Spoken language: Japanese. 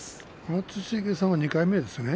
松重さんは２回目ですね。